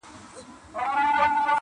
o هم ئې پر مخ وهي، هم ئې پر نال وهي!